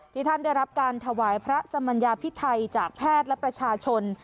ที่ท่านได้รับการถวายพระสมัญญาพิไทยจากแพทย์และประชาชน